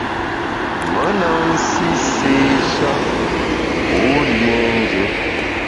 Me na nsi séé-sha ngu liénjù.